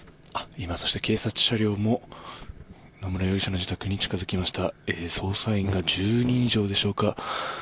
今、そして警察車両も野村容疑者の自宅に近付きました。